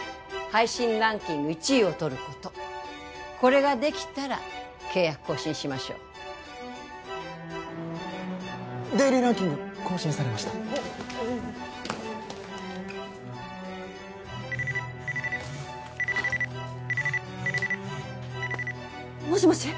配信ランキング１位をとることこれができたら契約更新しましょうデイリーランキング更新されましたもしもし？